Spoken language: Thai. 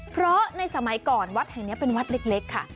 เพราะในสมัยก่อนวัดแห่งนี้เป็นวัดเล็กค่ะ